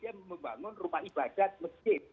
dia membangun rumah ibadat masjid